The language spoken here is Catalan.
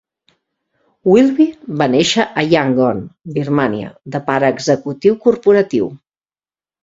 Wilby va néixer a Yangon, Birmània, de pare executiu corporatiu.